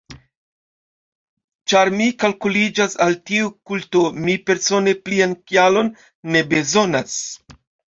Ĉar mi kalkuliĝas al tiu kulto, mi persone plian kialon ne bezonas.